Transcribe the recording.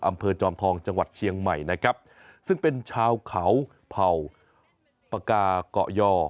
อำเภอจอมทองจังหวัดเชียงใหม่นะครับซึ่งเป็นชาวเขาเผ่าปากาเกาะยอ